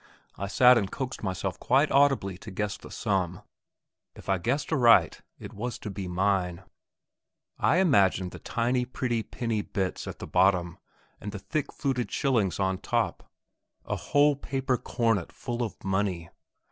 I sat and coaxed myself quite audibly to guess the sum; if I guessed aright, it was to be mine. I imagined the tiny, pretty penny bits at the bottom and the thick fluted shillings on top a whole paper cornet full of money!